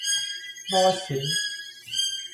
屙屎